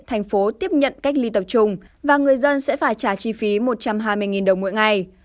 thành phố tiếp nhận cách ly tập trung và người dân sẽ phải trả chi phí một trăm hai mươi đồng mỗi ngày